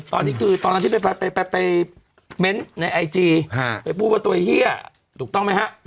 ตอนนี้คือตอนนั้นที่ไปเม้นต์ในไอจีไปพูดว่าตัวเฮียถูกต้องไหมฮะ